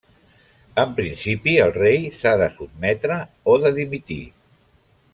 En principi, el rei s'ha de sotmetre o de dimitir.